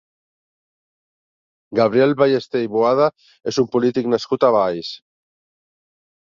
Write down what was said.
Gabriel Ballester i Boada és un polític nascut a Valls.